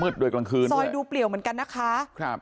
ซอยดูเปรียวเหมือนกันนะคะ